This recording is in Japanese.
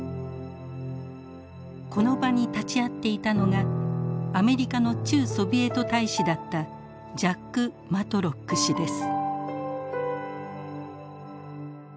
この場に立ち会っていたのがアメリカの駐ソビエト大使だったジャック・マトロック氏です。